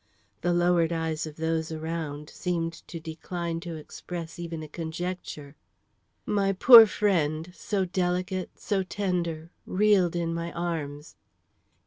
The lowered eyes of those around seemed to decline to express even a conjecture. My poor friend, so delicate, so tender, reeled in my arms.